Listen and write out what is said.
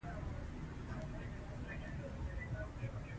ارزانه شیان تل ښه نه وي.